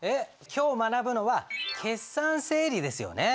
今日学ぶのは決算整理ですよね。